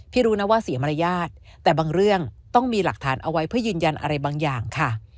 รู้นะว่าเสียมารยาทแต่บางเรื่องต้องมีหลักฐานเอาไว้เพื่อยืนยันอะไรบางอย่างค่ะ